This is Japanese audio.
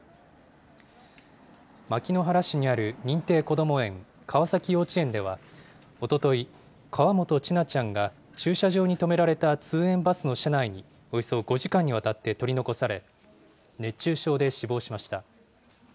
牧之原市にある認定こども園、川崎幼稚園では、おととい、河本千奈ちゃんが駐車場に止められた通園バスの車内におよそ５時間にわたって取り残され、熱中症で死亡しました。